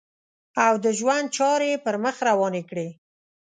او د ژوند چارې یې پر مخ روانې کړې.